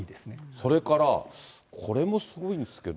それから、これもすごいんですけど。